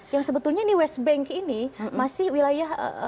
yang sebetulnya ini west bank ini masih wilayah